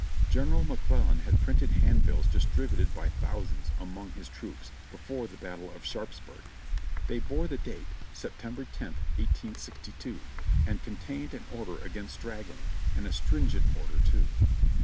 General McClellan had printed handbills distributed by thou sands among his troops, before the Battle of Sharpsburg. They bore the date September loth, 1862, and contained an order against straggling, and a stringent order too.